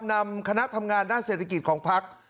นำคณะทำงานด้านเศรษฐกิจของพัก